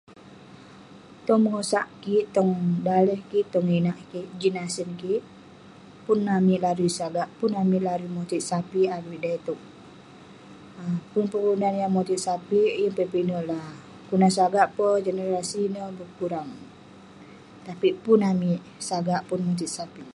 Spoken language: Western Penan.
Tong mengosak kik, tong daleh kik, tong inak kik jin asen kik, pun amik larui sagak, pun amik larui motit sapik avik da iteuk. um pun pe kelunan yah motit sapik, yeng peh pinak la. Kelunan sagak pe, generasi ne berkurang. Tapik pun amik sagak pun motit sapik.